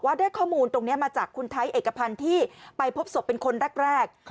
ได้ข้อมูลตรงนี้มาจากคุณไทยเอกพันธ์ที่ไปพบศพเป็นคนแรก